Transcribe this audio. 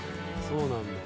そうなんだ。